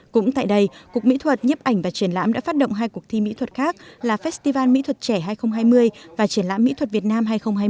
cũng tại đây cục mỹ thuật nhấp ảnh và triển lãm đã phát động hai cuộc thi mỹ thuật khác là festival mỹ thuật trẻ hai nghìn hai mươi và triển lãm mỹ thuật việt nam hai nghìn hai mươi